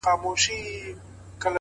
صبر د اوږد انتظار ښکلا ده؛